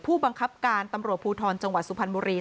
ผู้บังคับการตำรวจภูทรจังหวัดสุพรรณบุรี